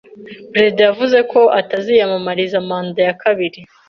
Perezida yavuze ko ataziyamamariza manda ya kabiri.